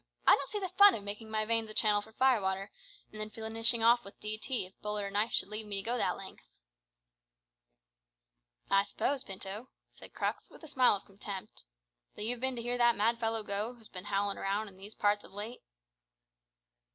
I don't see the fun of makin' my veins a channel for firewater, and then finishin' off with D.T., if bullet or knife should leave me to go that length." "I suppose, Pinto," said Crux, with a smile of contempt, "that you've bin to hear that mad fellow Gough, who's bin howlin' around in these parts of late?"